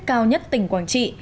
cao nhất tỉnh quảng trị